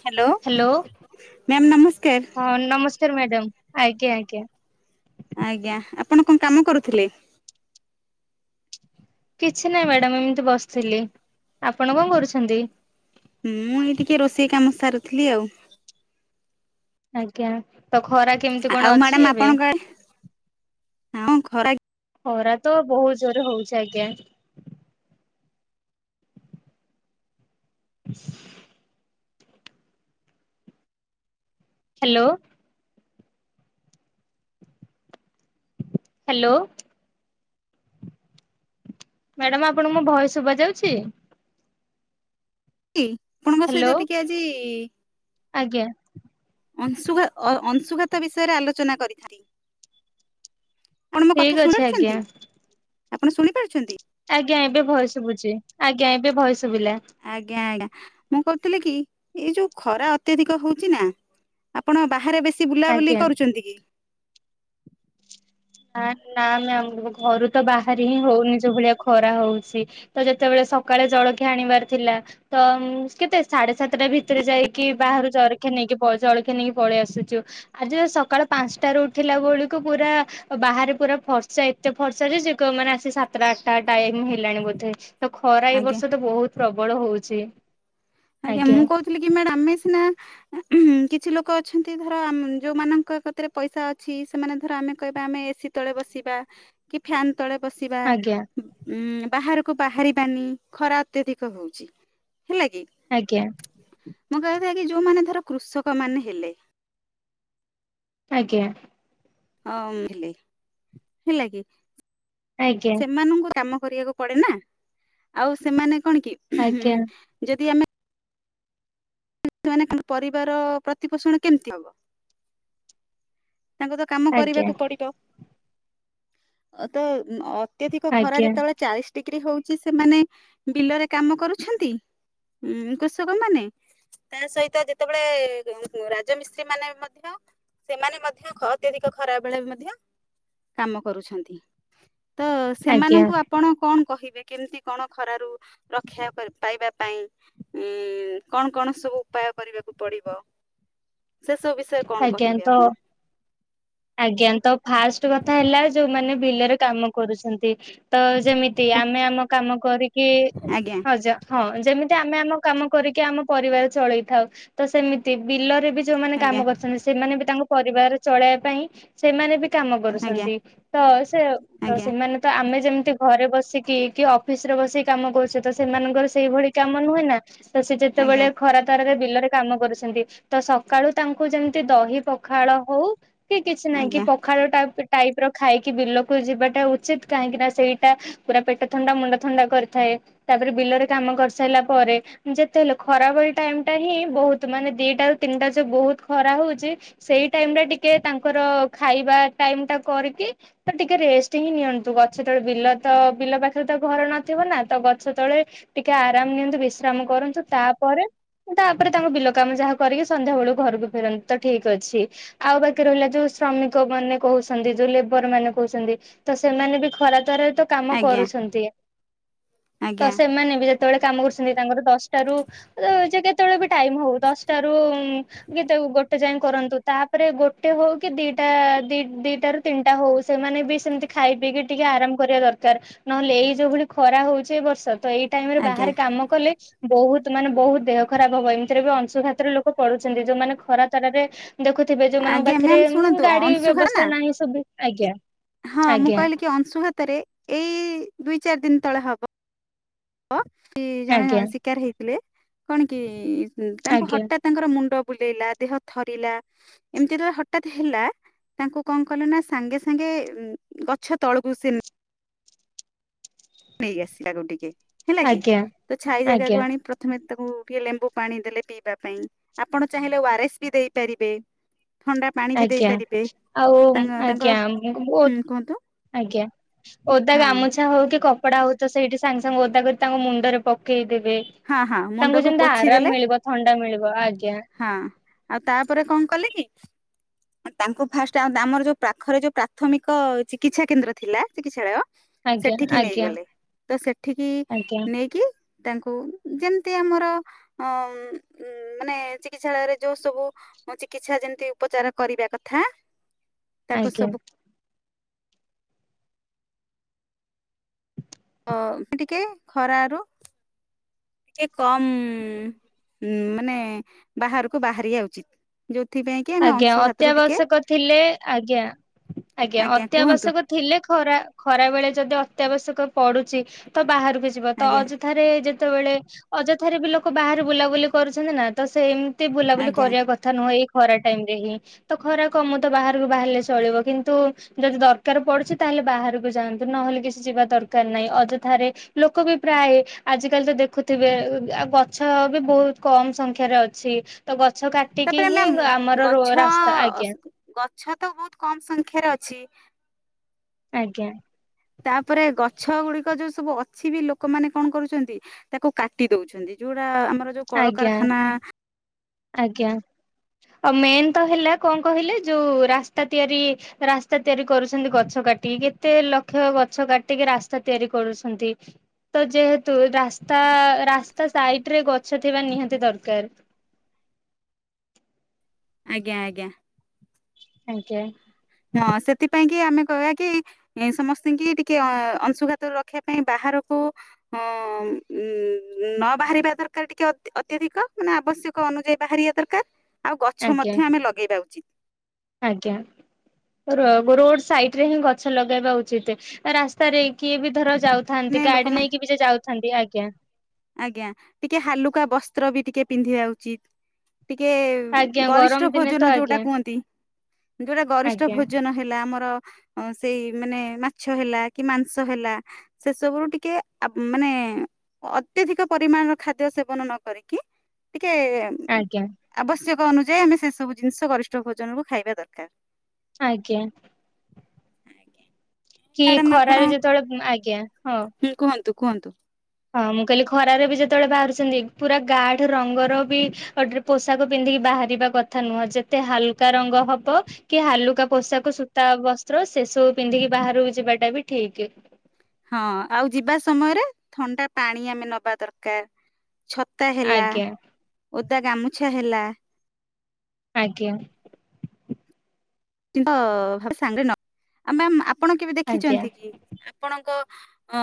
Hello hello! Ma'am ନମସ୍କାର। ହଁ, ନମସ୍କାର ମ୍ୟାଡ଼ମ୍ ଆଜ୍ଞା, ଆଜ୍ଞା। ଆଜ୍ଞା, ଆପଣ କଣ କାମ କରୁଥିଲେ? କିଛି ନାହିଁ ମ୍ୟାଡ଼ାମ ଏମିତି ବସିଥିଲି, ଆପଣ କଣ କରୁଛନ୍ତି? ମୁଁ ଏଇ ଟିକେ ରୋଷେଇ କାମ ସାରୁଥିଲି ଆଉ। ଆଜ୍ଞା, ତ ଖରା କେମିତି ଆଉ କଣ ମ୍ୟାଡାମ ଅଛି ଏବେ? ଆପଣଙ୍କ ଆଡେ ହଁ, ଖରା ଖରା ତ ବହୁତ ଜୋରେ ହଉଛି, ଆଜ୍ଞା। ହାଲୋ! ହାଲୋ! ମ୍ୟାଡାମ ଆପଣଙ୍କୁ ମୋ ଭଏସ୍ ଶୁଭା ଯାଉଛି। ଇ ଆପଣଙ୍କ ହ୍ୟାଲୋ ସହିତ ଟିକେ ଆଜି ଆଜ୍ଞା। ଅଂଶୁଘା ଅ ଅଂଶୁଘାତ ବିଷୟରେ ଆଲୋଚନା କରିଥାନ୍ତି। ଆପଣ ମୋ ଠିକ କଥା ଶୁଣୁ ଅଛି ଆଜ୍ଞା ପାରୁଛନ୍ତି, ଆପଣ ଶୁଣି ପାରୁଛନ୍ତି? ଆଜ୍ଞା, ଏବେ ଭଏସ୍ ଶୁଭୁଛି, ଆଜ୍ଞା ଏବେ ଭଏସ୍ ଶୁଭିଲା। ଆଜ୍ଞା, ଆଜ୍ଞା, ମୁଁ କହୁଥିଲି କି ଏଇ ଯୋଉ ଖରା ଅତ୍ୟାଧିକ ହଉଛି ନା ଆପଣ ବାହାରେ ବେଶୀ ବୁଲାବୁଲି ଆଜ୍ଞା। କରୁଛନ୍ତି କି? ଆଁ ନା ମ୍ୟାମ୍ ଘରୁ ତ ବାହାରି ହିଁ ହଉନି ଯୋଉ ଭଳିଆ ଖରା ହଉଛି। ତ ଯେତେବେଳେ ସକାଳେ ଜଳଖିଆ ଆଣିବାର ଥିଲା। ତ କେତେ ସାଢେ ସାତେଟା ଭିତରେ ଯାଇକି ବାହାରୁ ଜରଖିଆ ନେଇକି ପ ଜଳଖିଆ ନେଇକି ପଳେଇ ଆସୁଛୁ। ଆଜି ତ ସକାଳ ପାଞ୍ଚଟାରୁ ଉଠିଲା ବେଳକୁ ପୁରା ବାହାରେ ପୁରା ଫର୍ଚା, ଏତେ ଫର୍ଚା ଯେ ଯିଏ କହିବ ମାନେ ଆସି ସାତଟା ଆଠଟା ଟାଇମ ହେଲାଣି ବୋଧେ। ତ ଖରା ଏଇ ଆଜ୍ଞା ବର୍ଷ ତ ବହୁତ ପ୍ରବଳ ହଉଛି। ଆଜ୍ଞା, ମୁଁ କହୁଥିଲି କି ମ୍ୟାଡ଼ମ ଆମେ ସିନା କିଛି ଲୋକ ଅଛନ୍ତି ଧର ଯୋଉଁମାନଙ୍କ କତିରେ ପଇସା ଅଛି, ସେମାନେ ଧର ଆମେ କହିବା ଆମେ ଏସି ତଳେ ବସିବା କି ଫ୍ୟାନ୍ ତଳେ ବସିବା। ଆଜ୍ଞା ଉଁ ବାହାରକୁ ବାହାରିବାନି ଖରା ଅତ୍ୟଧିକ ହଉଛି, ହେଲା କି? ଆଜ୍ଞା। ମୁଁ କହିବା କଥା କି ଯୋଉମାନେ ଧର କୃଷକ ମାନେ ହେଲେ ଆଜ୍ଞା। ହଁ, ହେଲେ ହେଲା କି ଆଜ୍ଞା ସେମାନଙ୍କୁ ତ କାମ କରିବାକୁ ପଡେ ନା, ଆଉ ସେମାନେ କଣ କି ଆଜ୍ଞା ଯଦି ଆମେ [unintelligible] ପରିବାର ପ୍ରତି ପୋଷଣ କେମିତି ହବ? ତାଙ୍କୁ ତ କାମ ଆଜ୍ଞା କରିବାକୁ ପଡିବ, ଅ ତ ଅ ଅତ୍ୟଧିକ ଖରା ଆଜ୍ଞା ଯେତେବେଳେ ଚାଳିଶ ଡିଗ୍ରୀ ହଉଛି ସେମାନେ ବିଲରେ କାମ କରୁଛନ୍ତି ଉଁ କୃଷକ ମାନେ। ତା ସହିତ ଯେତେବେଳେ ରାଜମିସ୍ତ୍ରୀ ମାନେ ମଧ୍ୟ ସେମାନେ ମ ଧ୍ୟ ଖ ଅତ୍ୟଧିକ ଖରା ବେଳେ ବି ମଧ୍ୟ କାମ କରୁଛନ୍ତି। ତ ଆଜ୍ଞା ଆଜ୍ଞା ସେମାନଙ୍କୁ ଆ ଆପଣ କଣ କହିବେ, କେମିତି କଣ ଖରାରୁ ରକ୍ଷା ପାଇବା ପାଇଁ ଉଁ କଣ କଣ ସବୁ ଉପାୟ କରିବାକୁ ପଡିବ, ସେ ସବୁ ବିଷ [inaudible] କଣ ଆଜ୍ଞା କହିବେ ତ ଆପଣ? ଆଜ୍ଞା ତ ଫାଷ୍ଟ କଥା ହେଲା ଯୋଉମାନେ ବିଲରେ କାମ କରୁଛନ୍ତି ତ ଯେମିତି ତି ଆମେ ଆମ କାମ କରିକି ଆଜ୍ଞା ହଛ ହଁ ଯେମିତି ଆମେ ଆମ କାମ କରିକି ଆମ ପରିବାର ଚଳେଇଥାଉ ତ ସେମିତି ବିଲରେ ବି ଯୋଉମାନେ ଆଜ୍ଞା କାମ କରୁଛନ୍ତି ସେମାନେ ବି ତାଙ୍କ ପରିବାର ଚଳେଇବା ପାଇଁ ସେମାନେ ବି କାମ ଆଜ୍ଞା କରୁଛନ୍ତି ତ ସେ ତ ଆଜ୍ଞା ସେମାନେ ତ ଆମେ ଯେମିତି ଘରେ ବସିକି କି ଅଫିସ ରେ ବସିକି କାମ କରୁଛେ ତ ସେମାନଙ୍କର ସେଇଭଳି କାମ ନୁହେଁ ନା ତ ସେ ଯେତେବେଳେ ଆଜ୍ଞା ଖରାପ ତାରାରେ ବିଲରେ କାମ କରୁଛନ୍ତି ତ ସକାଳୁ ତାଙ୍କୁ ଯେମିତି ଦହି ପଖାଳ ହଉ କି କିଛି ନହିଁ କି ଆଜ୍ଞା ପଖାଳ ଟପ ଟାଇପ ର ଖାଇକି ବିଲକୁ ଯିବାଟା ଉଚିତ କାହିଁକି ନା ସେଇଟା ପୁରା ପେଟ ଥଣ୍ଡା ମୁଣ୍ଡ ଥଣ୍ଡା କରିଥାଏ ତାପରେ ବିଲରେ କାମ କରିସାରିଲା ପରେ ଯେତେ ହେଲେ ଖରା ଭଳି ଟାଇମ ଟା ହିଁ ବହୁତ ମାନେ ଦିଟା ତିନିଟା ଯୋ ବହୁତ ଖରା ହଉଛି ସେଇ ଟାଇମ ଟା ଟିକେ ତାଙ୍କର ଖାଇବା ଟାଇମ ଟା କରିକି ତ ଟିକେ ରେଷ୍ଟ ହିଁ ନିଅନ୍ତୁ ଗଛ ତଳେ ବିଲ ତ ବିଲ ପାଖରେ ତ ଘର ନଥିବ ନା ତ ଗଛ ତଳେ ଟିକେ ଆରାମ ନିଅନ୍ତୁ ବିଶ୍ରାମ କରନ୍ତୁ ତାପରେ ତାପରେ ତାଙ୍କ ବିଲ କାମ ଯାହା କରିକି ସନ୍ଧ୍ୟା ବେଳକୁ ଘରକୁ ଫେରନ୍ତି ତ ଠିକ ଅଛି ଆଉ ବାକି ରହିଲା ଯୋଉ ଶ୍ରମିକ ମାନେ କହୁଛନ୍ତି ଯୋଉ ଲେବର ମାନେ କହୁଛନ୍ତି ତ ସେମାନେ ବି ଖରା ତରାରେ ତ କାମ ଆଜ୍ଞା କରୁଛନ୍ତି ତ ଆଜ୍ଞା ଆଜ୍ଞା ସେମାନେ ବି କେତେବେଳେ କାମ କରୁଛନ୍ତି ତାଙ୍କର ଦଶଟାରୁ ଯେ କେତେବେଳେ ବି ଟାଇମ ହଉ ଦଶଟାରୁ କି ତାକୁ ଗୋଟେ ଯାଏ କରନ୍ତୁ ତାପରେ ଗୋଟେ ହଉ କି ଦିଟା ଦି ଦିଟାରୁୁ ତିନିଟା ହଉ ସେମାନେ ବି ସେମତି ଖାଇ ପିଇକି ଟିକେ ଆରାମ କରିବା ଦରକାର ନହେଲେ ଏଇ ଯୋଉ ଭଳି ଖରା ହଉଛି ଏଇ ବର୍ଷ ତ ଏଇ ଟାଇମରେ ଆଜ୍ଞା ବାହାରେ କାମ କଲେ ବହୁତ ମାନେ ବହୁତ ଦେହ ଖରାପ ହବ ଏମିତିରେ ବି ଅଂଶୁଘାତରେ ଲୋକ ପଡୁଛନ୍ତି ଯୋଉମାନେ ଖରା ତରା ରେ ଦେଖୁଥିବେ ଯୋଉମାନଙ୍କ ଆଜ୍ଞା ପାଖରେ ମ୍ୟାମ୍ ଉ ଶୁଣନ୍ତୁ -ଗାଡି ଅଂଶୁଘାତ ନା ବ୍ୟବସ୍ଥା ନାହିଁ ସବୁ ଆଜ୍ଞା ହଁ ମୁଁ ଆଜ୍ଞା କହିଲି କି ଅଂଶୁଘାତରେ ଏଇ ଦୁଇ ଚାରି ଦିନ ତଳେ ହବ କି ଜଣେ ଆଜ୍ଞା ଶିକାର ହେଇଥିଲେ କଣ କି ତାଙ୍କୁ ଆଜ୍ଞା ହଠାତ୍ ତାଙ୍କର ମୁଣ୍ଡ ବୁଲେଇଲା ଦେହ ଥରିଲା ଏମିତି ଯେତେବେଳେ ହଠାତ ହେଲା ତାଙ୍କୁ କଣ କଲେ ନା ସାଙ୍ଗେ ସାଙ୍ଗେ ଗଛ ତଳକୁ ସନ ନେଇକି ଆସିଲା କ ଟିକେ ହେଲା କି ଆଜ୍ଞା ତ ଛାଇ ଜାଗାକୁ ଆଜ୍ଞା ଆଣି ପ୍ର ଥମେ ତାକୁ ଟିକେ ଲେମ୍ବୁ ପାଣି ଦେଲେ ପିଇବା ପାଇଁ ଆପଣ ଚାହିଁଲେ ଓ ଆରଏସ୍ ବି ଦେଇପାରିବେ ଥଣ୍ଡା ପାଣି ବି ଆଜ୍ଞା ଦେଇପାରିବେ ଆଉ ତାଙ୍କ ତାଙ୍କର ଆଜ୍ଞା ବ ହୁଁ କୁହନ୍ତୁ ଆଜ୍ଞା ଓଦା ହଁ। ଗାମୁଛା ହଉ କି କପଡା ହଉ ତ ସେଇଠି ସାଙ୍ଗେ ସାଙ୍ଗେ ଓଦା କରି ତାଙ୍କ ମୁଣ୍ଡରେ ପକେଇଦେବେ ହଁ ହଁ ତାଙ୍କୁ ମୁଣ୍ଡକୁ ଯେମିତି ପୋଛି ଦେଲେ ଆରାମ ମିଳିବ ଥଣ୍ଡା ମିଳିବ ଆଜ୍ଞା ହଁ ଆଉ ତାପରେ କଣ କଲେ କି? ତାଙ୍କୁ ଫାଷ୍ଟ ଆ ଆମର ଯୋଉ ପାଖରେ ଯୋଉ ପ୍ରାଥମିକ ଚିକିତ୍ସା କେନ୍ଦ୍ର ଥିଲା ଚିକିତ୍ସାଳୟ ଆଜ୍ଞା ସେଠିକି ଆଜ୍ଞା ନେଇଗଲେ ତ ସେଠିକି ଆଜ୍ଞା ନେଇକି ତାଙ୍କୁ ଯେମିତି ଆମର ଅ ମାନେ ଚିକିତ୍ସାଳୟରେ ଯୋଉ ସବୁ ଚିକିତ୍ସା ଯେମିତି ଉପଚାର କରିବା କଥା ତାକୁ ଆଜ୍ଞା ସବୁ ଅ ଟିକେ ଖରାରୁ ଟିକେ କମ୍ ମାନେ ବାହାରକୁ ବାହାରିବା ଉଚିତ ଯୋଥି ପାଇଁ କି ଆମେ ଆଜ୍ଞା ଅଂଶୁ ହାତରୁ ଟିକେ ଅତ୍ୟାବଶ୍ୟକ ଥିଲେ ଆଜ୍ଞା ଆଜ୍ଞା ଅତ୍ୟାବଶ୍ୟକ ଥିଲେ ଖରା ଖରା ବେଳେ ଯଦି ଅତ୍ୟାବଶ୍ୟକ ପଡୁଛି ତ ବାହାରକୁ ଯିବ ତ ଆଜ୍ଞା ଅ ଥାରେ ଯେତେବେଳେ ଅଯଥାରେ ବି ଲୋକ ବାହାରେ ବୁଲାବୁଲି କରୁଛନ୍ତି ନା ତ ସେମତି ତେ ବୁଲାବୁଲି ଆଜ୍ଞା କରିବା କଥା ନୁହେଁ ଏଇ ଖରା ଟାଇମ ରେ ହିଁ ତ ଖରା କମ ତ ବାହାରକୁ ବାହାରିଲେ ଚଳିବ କିନ୍ତୁ ଯଦି ଦରକାର ପଡୁଛି ତାହେଲେ ବାହାରକୁ ଯାଆନ୍ତୁ ନହେଲେ କିଛି ଯିବା ଦରକାର ନାହିଁ ଅଯଥାରେ ଲୋକ ବି ପ୍ରାୟ ଆଜିକାଲି ତ ଦେଖୁଥିବେ ଆ ଗଛ ବି ବହୁତ କମ ସଂଖ୍ୟାରେ ଅଛି। ତ ଗଛ କାଟିକି ତାପରେ ହିଁ ମ୍ୟାମ୍ ଆମର ରୋ ଗଛ ରାସ୍ତା ଆଜ୍ଞା ଗଛ ତ ବହୁତ କମ ସଂଖ୍ୟାରେ ଅଛି। ଆଜ୍ଞା ତାପରେ ଗଛ ଗୁଡିକ ଯୋଉ ସବୁ ଅଛି ବି ଲୋକମାନେ କଣ କରୁଛନ୍ତି। ତାକୁ କାଟି ଦଉଛନ୍ତି ଯୋଉଟା ଆମର ଯୋଉ ଆଜ୍ଞା କଳକାରଖାନା ଆଜ୍ଞା ଆଉ ମେନ୍ ତ ହେଲା କଣ କହିଲେ ଯୋଉ ରାସ୍ତା ତିଆରି ରାସ୍ତା ତିଆରି କରୁଛନ୍ତି ଗଛ କାଟି କେତେ ଲକ୍ଷ ଗଛ କାଟିକି ରାସ୍ତା ତିଆରି କରୁଛନ୍ତି। ତ ଯେହେତୁ ରାସ୍ତା ରାସ୍ତା ସାଇଡ ରେ ଗଛ ଥିବା ନିହାତି ଦରକାର। ଆଜ୍ଞା ଆଜ୍ଞା ଆଜ୍ଞା। ହଁ ସେଥିପାଇଁ କି ଆମେ କହିବା କି? ଏ ସମସ୍ତି ଙ୍କୀ ଟିକେ ଅ ଅଂଶୁଘାତ ରଖିବା ପାଇଁ ବାହାରକୁ ହଁ ଉଁ ନ ବାହାରିବା ଦରକାର ଟିକେ ଅତ୍ୟଧିକ ମାନେ ଆବଶ୍ୟକ। ଅନୁଯାୟୀ ବାହାରିବା ଦରକାର ଆଉ ଗଛ ଆଜ୍ଞା ମଧ୍ୟ ଆମେ ଲଗେଇବା ଉଚିତ। ଆଜ୍ଞା ରୋଡ ସାଇଡ ରେ ହିଁ ଗଛ ଲଗେଇବା ଉଚିତ୍ ରାସ୍ତାରେ କିଏ ବି ଧର ଯାଉ ମାନେ ଥାନ୍ତି ଗାଡି ଲୋକମାନେ ନେଇକି ବି ଯାଉଥାନ୍ତି ଆଜ୍ଞା। ଆଜ୍ଞା ଟିକେ ହାଲୁକା ବସ୍ତ୍ର ବି ଟିକେ ପିନ୍ଧିବା ଉଚିତ ଟିକେ ଆଜ୍ଞା ଗରମ ଗରିଷ୍ଠ ଦିନେ ଭୋଜନ ତ ଯୋଉଟା ଆଜ୍ଞା କୁହନ୍ତି ଯୋଉଟା ଗରିଷ୍ଠ ଆଜ୍ଞା ଭୋଜନ ହେଲେ ଆମର ସେଇ ମାନେ ମାଛ ହେଲା କି ମାଂସ ହେଲା। ସେସବୁ ର ଟିକେ ମାନେ ଅତ୍ୟଧିକ ପରିମାଣର ଖାଦ୍ୟ ସେବନ ନ କରିକି ଟିକେ ଆଜ୍ଞା ଆବଶ୍ୟକ ଅନୁଯାୟୀ ଆମେ ସେ ସବୁ ଜିନିଷ ଗରିଷ୍ଠ ଭୋଜନକୁୁ ଖାଇବା ଦରକାର। ଆଜ୍ଞା କି ଖରାରେ ଯେତେବେଳେ ଆଜ୍ଞା ହଁ। ହୁଁ କୁହନ୍ତୁ କୁହନ୍ତୁ। ହଁ ମୁଁ କହିଲି ଖରାରେ ବି ଯେତେବେଳେ ବାହାରୁଛନ୍ତି ପୁରା ଗାଠ ରଙ୍ଗର ବି ଗଟରେ ପୋଷାକ ପିନ୍ଧିକି ବାହାରିବା କଥା ନୁହଁ ଯେତେ ହାଲକା ରଙ୍ଗ ହବ କି ହାଲୁକା ପୋଷାକ ସୂତା ବସ୍ତ୍ର ସେସବୁ ପିନ୍ଧିକି ବାହାରକୁ ଯିବାଟା ବି ଠିକ। ହଁ ଆଉ ଯିବା ସମୟରେ ଥଣ୍ଡା ପାଣି ଆମେ ନବା ଦରକାର। ଛତା ହେଲା ଆଜ୍ଞା ଓଦା ଗାମୁଛା ହେଲା। ଆଜ୍ଞା। କି ତ ସାଙ୍ଗରେ ନ ଆଉ ମ୍ୟାାମ ଆପଣ କେବେ ଆଜ୍ଞା। ଦେଖିଛନ୍ତି କି? ଆପଣଙ୍କ ଅ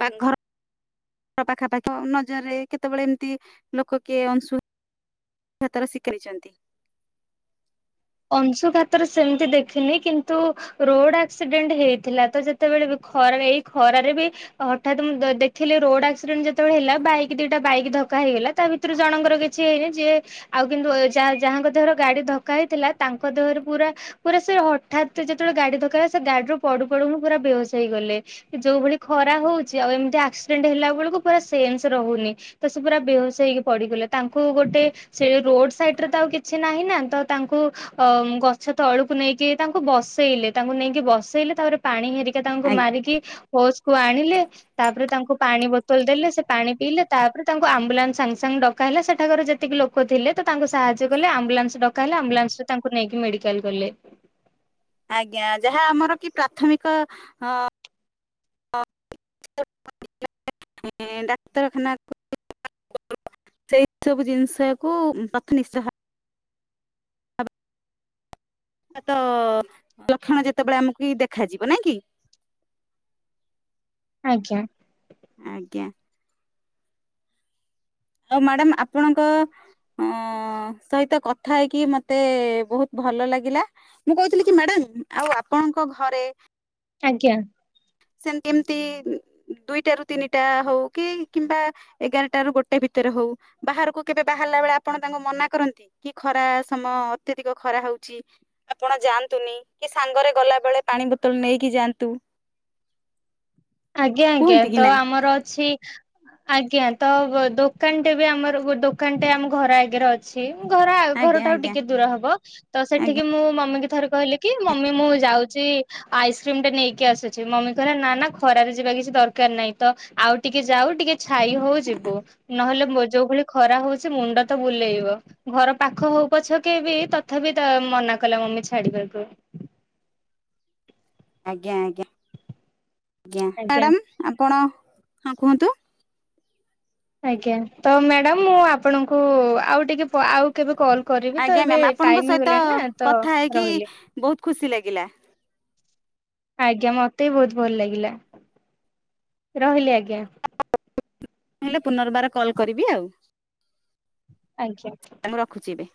ପା ଘର ପାଖା ପାାଖି ନଜରରେ କେତେବେଳେ ଏମିତି ଲୋକ କିଏ ଅଂଶୁ ଭାତ ର ଶିିକରିଛନ୍ତି। ଅଂଶୁଘାତରେ ସେମିତି ଦେଖିନି କିନ୍ତୁ ରୋଡ ଆକ୍ସିଡେଣ୍ଟ ହେଇଥିଲା ତ ଯେତେବେଳେ ବି ଖରାରେ ଏଇ ଖରାରେ ବି ହଠାତ୍ ମୁଁ ଦ-ଦେଖିଲି ରୋଡ ଆକ୍ସିଡେଣ୍ଟ ଯେତେବେଳେ ହେଲା ବାଇକ୍ ଦିଟା ବାଇକ୍ ଧକ୍କା ହେଇଗଲା ତା ଭି ତରେ ଜଣଙ୍କର କିଛି ହେଇନି ଯିଏ ଆଉ କିନ୍ତୁ ଯା-ଯାହାଙ୍କ ଦେହର ଗାଡି ଧକ୍କା ହେଇଥିଲା। ତାଙ୍କ ଦେହରେ ପୁରା ପୁରା ସେ ହଠାତ ଯେତେବେଳେ ଗାଡି ଧକା ହେଲା ସେ ଗାଡିରୁୁ ପଡୁ ପଡୁ ହିଁ ପୁରା ବେହୋସ ହେଇଗଲେ। ଯୋଉ ଭଳି ଖରା ହଉଛି ଆଉ ଏମିତି ଆକ୍ସିଡେଣ୍ଟ ହେଲା ବେଳକୁ ପୁରା ସେନ୍ସ ରହୁନି। ତ ସେ ପୁରା ବେହୋସ ହେଇକି ପଡିଗଲେ ତାଙ୍କୁ ଗୋଟେ। ସେ ରୋଡ ସାଇଡ ରେ ତ ଆଉ କିଛି ନାହିଁ ନା ତ ତାଙ୍କୁ। ଅ ଗଛ ତଳକୁ ନେଇକି ତାଙ୍କୁ ବସେଇଲେ ତାଙ୍କୁ ନେଇକି ବସେଇଲେ ତାପରେ ପାଣି ହେରି ତାଙ୍କୁ ଆଜ୍ଞା। ମାରିକି ହୋସକୁୁ ଆଣିଲେ। ତାପରେ ତାଙ୍କୁ ପାଣି ବୋତଲ ଦେଲେ ସେ ପାଣି ପିଇଲେ ତାପରେ ତାଙ୍କୁ ଆମ୍ବୁଲାନ୍ସ ସାଙ୍ଗେ ସାଙ୍ଗେ ଡ ହେଲା ସେଠାକାର ଯେତିକି ଲୋକ ଥିଲେ ତ ତାଙ୍କୁ ସାହାଯ୍ୟ କଲେ ଆମ୍ବୁଲାନ୍ସ ଡକା ହେଲେ ଆମ୍ୱୁଲାନ୍ସ ତାଙ୍କୁ ନେଇକି ମେଡିକାଲ ଗଲେ। ଆଜ୍ଞା ଯାହା ଆମର କି ପ୍ରାଥମିକ ହଅ [unintelligible] ଡାକ୍ତରଖାନାକୁ ସେଇ ସବୁ ଜିନିଷ କୁ ପ୍ରଥମେ ନିଶ୍ଚହା ହଁ ତ ଲକ୍ଷଣ ଯେତେବେଳେ ଆମକୁ ହିଁ ଦେଖାଯିବ ନାଇଁ କି? ଆଜ୍ଞା। ଆଜ୍ଞା। ଆଉ ମ୍ୟାଡାମ୍ ଆପଣଙ୍କ ହଁ ସହିତ କଥା ହେଇକି ମତେ ବୋହୁତ ଭଲ ଲାଗିଲା। ମୁଁ କୋହୁଥିଲି କି ମ୍ୟାଡାମ୍ ଆଉ ଆପଣଙ୍କ ଘରେ ଆଜ୍ଞା। ସେ ଏମିତି ଦୁଇଟା ରୁ ତିନିଟା ହୋଉ କି କିମ୍ବା ଏଗାରଟା ରୁ ଗୋଟେ ଭିତରେ ହୋଉ ବାହାରକୁ କେବେ ବାହାରିଲା ବେଳେ ଆପଣ ତାଙ୍କୁ ମନା କରନ୍ତି? କି ଖରା ସମୟ ଅତ୍ୟଧିକ ଖରା ହୋଉଛି। ଆପଣ ଯାଆନ୍ତୁନି କି ସାଙ୍ଗରେ ଗଲା ବେଳେ ପାଣି ବୋତଲ ନେଇକି ଯାଆନ୍ତୁ। ଆଜ୍ଞା ଆଜ୍ଞା କୁହନ୍ତି କି ତ ନାଇଁ ଆମର ଅଛି ଆଜ୍ଞା ତ ବ ଦୋକାନଟେ ବି ଆମର ଦୋକାନଟେ ଆମ ଘର ଆଗରେ ଅ ଛିମ୍ ଘର ଆ ଘର ଆଜ୍ଞା ଠାରୁ ଆଜ୍ଞା ଟିକେ ଦୂର ହବ। ତ ଆଜ୍ଞା ସେଠିକି ମୁଁ ମମି କି ଥରେ କହିଲି କି ମମି ମୁଁ ଯାଉଚି ଆଇସ୍କ୍ରିମ ଟେ ନେଇକି ଆସ ଚି ମମି କହିଲା ନାନା ଖରାରେ ଯିବା କିଛି ଦରକାର ନାହିଁ ତ ଆଉ ଟିକେ ଯାଉ ଟିକେ ଛାଇ ହୋଉ ଯିବୁ। ନହେଲେ ମୋ ଯୋଉ ଭଳି ଖରା ହୋଉଛି ମୁଣ୍ଡ ତ ବୁଲେଇବ। ଘର ପାଖ ହଉ ପଛକେ ବି ତଥାପି ତ ମନା କଲା ମମି ଛାଡିବାକୁ। ଆଜ୍ଞା ଆଜ୍ଞା ଆଜ୍ଞା ମ୍ୟାଡ଼ାମ ଆପଣ ହଁ କୁହନ୍ତୁ? ଆଜ୍ଞା ତ ମ୍ୟାଡ଼ାମ ମୁଁ ଆପଣଙ୍କୁ ଆଉ ଟିକେ ପ ଆଉ କେବେ କଲ୍ କରିବି ତ ଆଜ୍ଞା ଏବେ ମ୍ୟାମ୍ ଆପଣଙ୍କ ଟାଇମ୍ ସହିତ ହେଇଗଲାଣି ନା ତ କଥା ହେଇକି ରହିଲି। ବହୁତ ଖୁସି ଲାଗିଲା ଆଜ୍ଞା ମତେ ବି ବୋହୁତ ଭଲ ଲାଗିଲା ରହିଲି ଆଜ୍ଞା। ମୁଁ ହେଲେ ପୁନର୍ବାର କଲ୍ କରିବି ଆଉ। ଆଜ୍ଞା। ମୁଁ ରଖୁଚି।